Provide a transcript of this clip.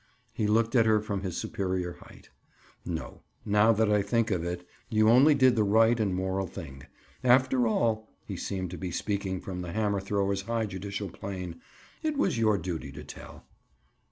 He looked at her from his superior height. "No. Now that I think of it, you only did the right and moral thing. After all"—he seemed to be speaking from the hammer thrower's high judicial plane—"it was your duty to tell."